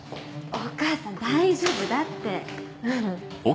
お母さん大丈夫だってうん。